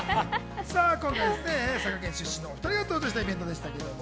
今回、佐賀県出身の２人が登場したイベントでした。